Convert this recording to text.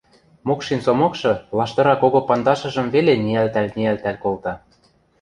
Мокшин Сомокшы лаштыра кого пандашыжым веле ниӓлтӓл-ниӓлтӓл колта: